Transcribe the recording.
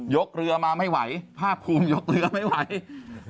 กเรือมาไม่ไหวภาคภูมิยกเรือไม่ไหว